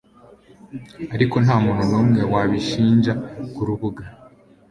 Ariko ntamuntu numwe wabishinja kurubuga